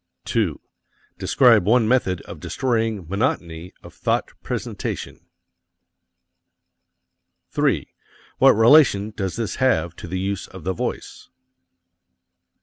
2. Describe one method of destroying monotony of thought presentation. 3. What relation does this have to the use of the voice?